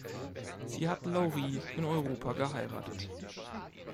Sie hat Laurie in Europa geheiratet.